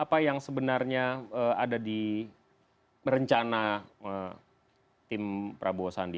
apa yang sebenarnya ada di rencana tim prabowo sandi